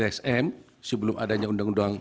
sm sebelum adanya undang undang